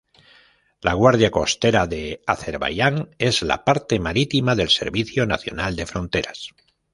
La Guardia Costera de Azerbaiyán es la parte marítima del Servicio Nacional de Fronteras.